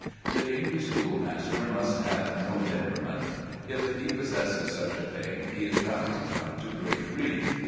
The English schoolmaster must have no temperament. If he possess such a thing, he is bound to come to great grief.